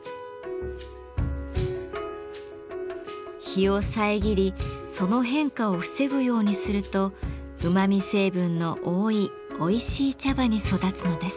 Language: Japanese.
日を遮りその変化を防ぐようにするとうまみ成分の多いおいしい茶葉に育つのです。